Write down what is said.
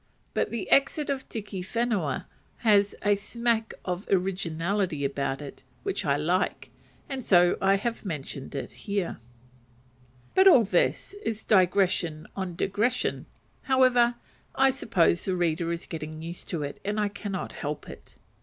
But the exit of Tiki Whenua has a smack of originality about it which I like, and so I have mentioned it here. But all this is digression on digression: however, I suppose the reader is getting used to it, and I cannot help it.